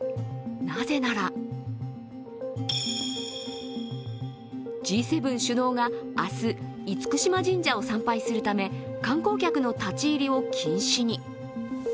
なぜならＧ７首脳が明日、厳島神社を参拝するため観光客の立ち入りを禁止に。